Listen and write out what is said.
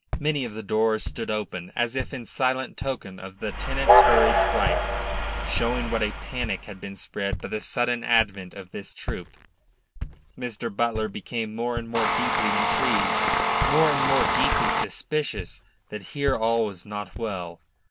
Many of the doors stood open, as if in silent token of the tenants' hurried flight, showing what a panic had been spread by the sudden advent of this troop. Mr. Butler became more and more deeply intrigued, more and more deeply suspicious that here all was not well.